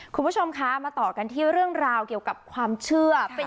คุณผู้ชมคะมาต่อกันที่เรื่องราวเกี่ยวกับความเชื่อ